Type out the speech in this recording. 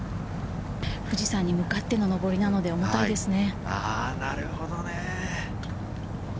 富士山に向かっての上りなので、重たいですね。